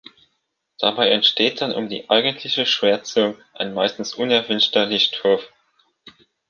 Dabei entsteht dann um die eigentliche Schwärzung ein meistens unerwünschter Lichthof.